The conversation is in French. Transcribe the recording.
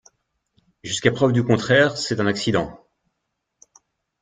Jusqu’à preuve du contraire, c’est un accident.